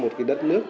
một cái đất nước